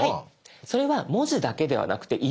それは文字だけではなくていろんなもの